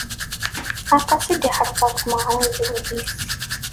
Aṭas i d-iɛreḍ ɣer tmeɣra n zzwaǧ-is.